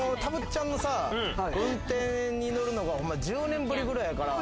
ちゃんの運転に乗るのが１０年ぶりくらいやから。